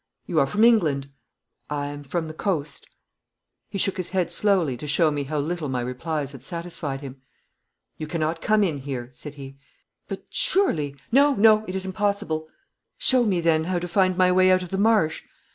'You are from England?' 'I am from the coast.' He shook his head slowly to show me how little my replies had satisfied him. 'You cannot come in here,' said he. 'But surely ' 'No, no, it is impossible.' 'Show me then how to find my way out of the marsh.'